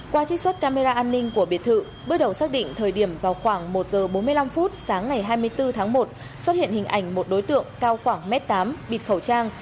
qua trích xuất camera an ninh của biệt thự bước đầu xác định thời điểm vào khoảng một giờ bốn mươi năm sáng ngày hai mươi bốn tháng một xuất hiện hình ảnh một đối tượng cao khoảng m tám bịt khẩu trang